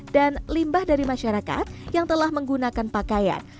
dan limbah dari masyarakat yang telah menggunakan pakaian